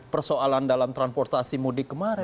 persoalan dalam transportasi mudik kemarin